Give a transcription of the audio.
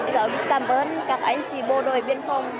cháu cảm ơn các anh chị bộ đội biên phòng